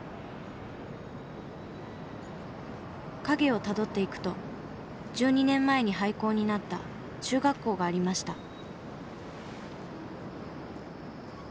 影をたどっていくと１２年前に廃校になった中学校がありました。